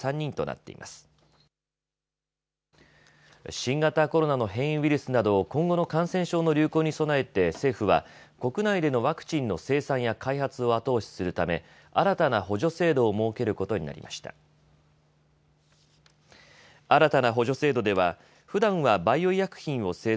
新型コロナの変異ウイルスなど今後の感染症の流行に備えて政府は国内でのワクチンの生産や開発を後押しするため新たな補助制度を設けることになりました。